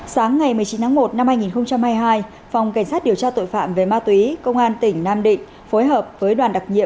sáng ngày một mươi chín tháng một năm hai nghìn hai mươi hai phòng cảnh sát điều tra tội phạm về ma túy công an tỉnh nam định phối hợp với đoàn đặc nhiệm